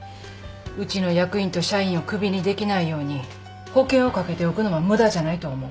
うちの役員と社員をクビにできないように保険をかけておくのは無駄じゃないと思う。